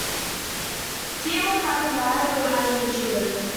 Seymour neither married or had any children.